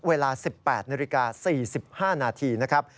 เวลา๑๘นาฬิกา๔๕นาที